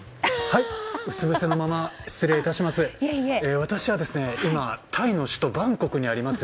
はい、うつぶせのまま失礼致します。